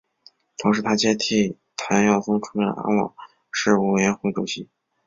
同时他接替谭耀宗出任安老事务委员会主席。